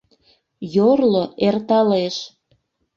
Йорло эрталеш.